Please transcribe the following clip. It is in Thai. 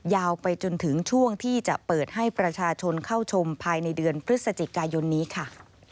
ยาวไปจนถึงช่วงที่จะเปิดให้ประชาชนเข้าชมภายในเดือนพฤศจิกายนนี้ค่ะ